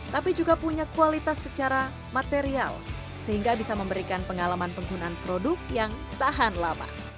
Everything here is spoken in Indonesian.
tapi juga punya kualitas secara material sehingga bisa memberikan pengalaman penggunaan produk yang tahan lama